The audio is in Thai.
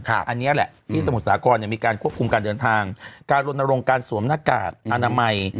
อันนี้แหละที่สมุทรสาครมีการควบคุมการเดินทางการรณรงค์การสวมหน้ากากอนามัย